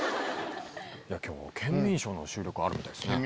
今日『ケンミンＳＨＯＷ』の収録あるみたいですね。